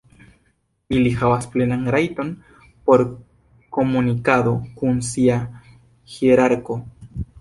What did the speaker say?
Ili havas plenan rajton por komunikado kun sia hierarko.